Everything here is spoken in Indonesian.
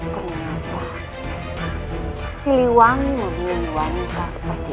ternyata siliwangi memilih wanita seperti engkau